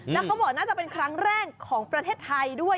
แล้วเขาบอกน่าจะเป็นครั้งแรกของประเทศไทยด้วย